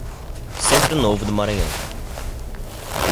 Centro Novo do Maranhão